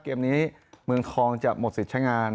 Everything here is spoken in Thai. เกมนี้เมืองทองจะหมดสิทธิ์ใช้งาน